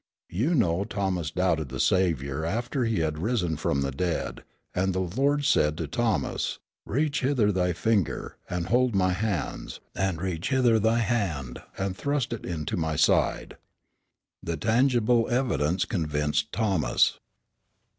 You know Thomas doubted the Saviour after he had risen from the dead; and the Lord said to Thomas, "Reach hither thy finger, and behold my hands; and reach hither thy hand, and thrust it into my side." The tangible evidence convinced Thomas.